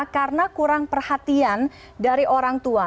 karena kurang perhatian dari orang tua